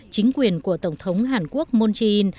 chính quyền của tổng thống hàn quốc moon jin